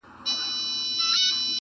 جهاني ډېر به دي غزل په تول د بوسو اخلي؛